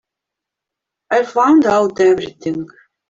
I'll find out everything.